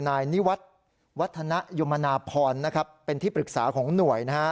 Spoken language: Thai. นายนิวัฒน์วัฒนยมนาพรนะครับเป็นที่ปรึกษาของหน่วยนะฮะ